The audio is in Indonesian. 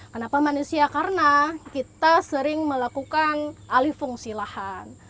kenapa manusia karena kita sering melakukan alih fungsi lahan